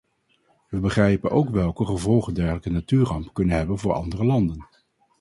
We begrijpen ook welke gevolgen dergelijke natuurrampen kunnen hebben voor andere landen.